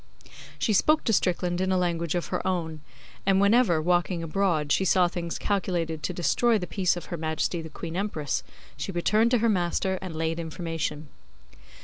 She spoke to Strickland in a language of her own; and whenever, walking abroad, she saw things calculated to destroy the peace of Her Majesty the Queen Empress, she returned to her master and laid information.